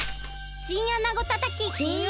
チンアナゴたたき？